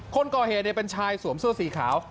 คนก่อเหตุเป็นชายสวมเสื้อสีขาว